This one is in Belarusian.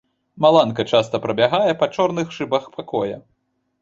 Маланка часта прабягае па чорных шыбах пакоя.